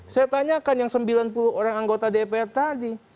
saya tanyakan yang sembilan puluh orang anggota dpr tadi